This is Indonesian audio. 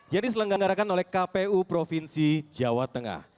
yang diselenggarakan oleh kpu provinsi jawa tengah